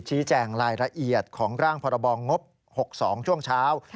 แจงรายละเอียดของร่างพรบงบ๖๒ช่วงเช้า